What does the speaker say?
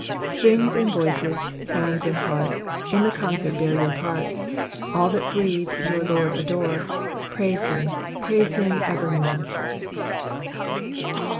String^B and voices, hands and hearts. In the concert bear your parts ; All that breathe, your Lord adore, Praise him, Pniise hfro, evermore